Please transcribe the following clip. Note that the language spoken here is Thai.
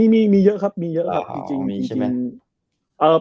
มีมีเยอะครับมีเยอะครับมีจริงมีมั้ย